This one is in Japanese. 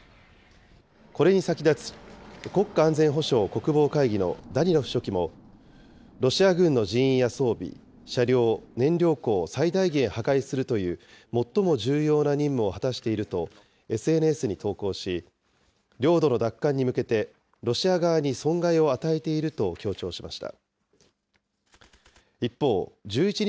これに先立ち、国家安全保障・国防会議のダニロフ書記も、ロシア軍の人員や装備、車両、燃料庫を最大限破壊するという最も重要な任務を果たしているとＳＮＳに投稿し、領土の奪還に向けて、ロシア側に損害を与えていると強調しました。